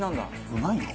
うまいの？